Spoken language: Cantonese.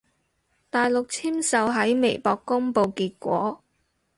大陸簽售喺微博公佈結果